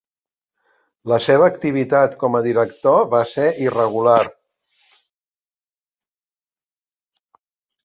La seva activitat com a director va ser irregular.